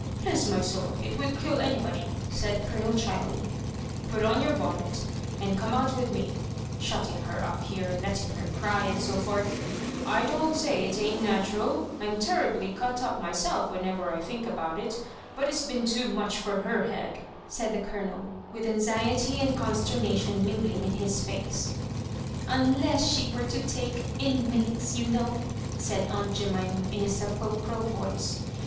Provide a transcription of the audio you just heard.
Bless my soul I it would kill anybody," said Colonel Cbiley. " Put on your b(MaBet, and oome out with me; shutting her up here, and letting her cry, and so forth — ^I don't say it ain't natmral — I'm terribly cut up myself whenever I think of it ; but it's been too much tot her head," said the Cdonel, with anxiety and consternation mingling in his fiicei Unless she w«re to take Inmates, you know," said aunt Jemima, in a sepulchral voice.